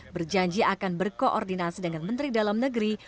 berjanji akan berkoordinasi dengan menteri dalam negeri